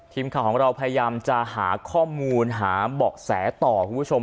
ทีมข่าวของเราพยายามจะหาข้อมูลหาเบาะแสต่อคุณผู้ชม